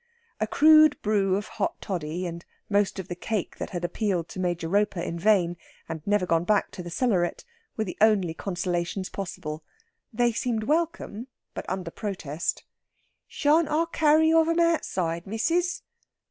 A crude brew of hot toddy, and most of the cake that had appealed to Major Roper in vain, and never gone back to the cellaret, were the only consolations possible. They seemed welcome, but under protest. "Shan't I carry of 'em outside, missis?"